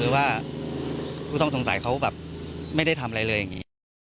ว่าผู้ต้องสงสัยเขาแบบไม่ได้ทำอะไรเลยอย่างนี้